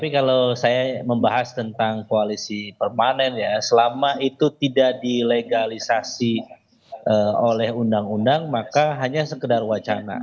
tapi kalau saya membahas tentang koalisi permanen ya selama itu tidak dilegalisasi oleh undang undang maka hanya sekedar wacana